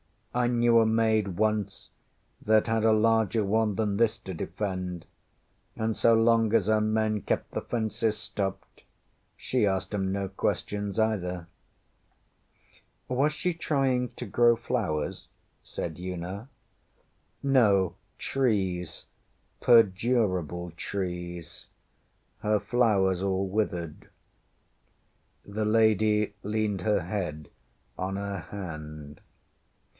I knew a maid once that had a larger one than this to defend, and so long as her men kept the fences stopped, she asked ŌĆśem no questions either. ŌĆÖ ŌĆśWas she trying to grow flowers? ŌĆÖ said Una. ŌĆśNo, trees perdurable trees. Her flowers all withered. ŌĆÖ The lady leaned her head on her hand.